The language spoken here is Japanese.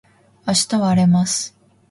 明日は荒れます